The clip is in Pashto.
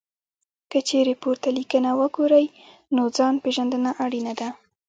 که چېرې پورته لیکنه وګورئ، نو ځان پېژندنه اړینه ده.